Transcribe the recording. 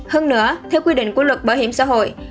hơn nữa theo quy định của luật bảo hiểm xã hội